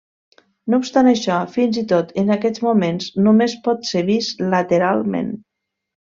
No obstant això, fins i tot en aquests moments només pot ser vist lateralment.